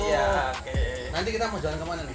nanti kita mau jalan ke mana nih